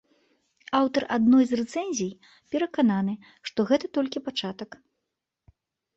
Аўтар адной з рэцэнзій перакананы, што гэта толькі пачатак.